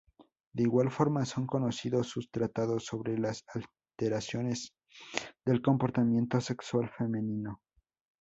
De igual forma son conocidos sus tratados sobre las alteraciones del comportamiento sexual femenino.